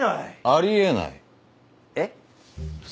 あり得ない？えっ？